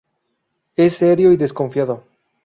Es serio y desconfiado.